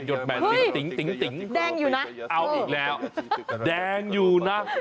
เฮ้ยแดงอยู่นะเอออีกแล้วแดงอยู่นะ